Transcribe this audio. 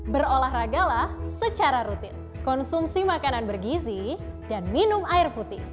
berolahragalah secara rutin konsumsi makanan bergizi dan minum air putih